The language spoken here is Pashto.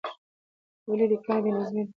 ولې لیکنه بې نظمې ده؟